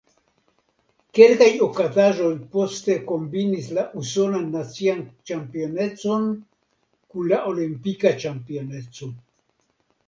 Kelkaj okazaĵoj poste kombinis la usonan nacian ĉampionecon kun la olimpika ĉampioneco.